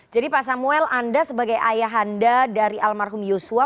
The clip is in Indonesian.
pak samuel anda sebagai ayah anda dari almarhum yosua